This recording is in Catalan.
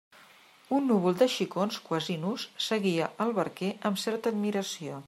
Un núvol de xicons quasi nus seguia el barquer amb certa admiració.